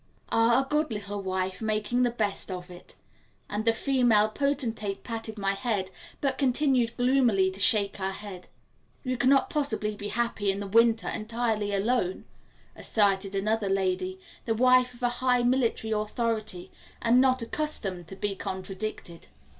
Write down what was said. "Ah, a good little wife, making the best of it," and the female potentate patted my hand, but continued gloomily to shake her head. "You cannot possibly be happy in the winter entirely alone," asserted another lady, the wife of a high military authority and not accustomed to be contradicted.